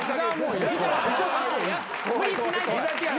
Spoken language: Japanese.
無理しないで。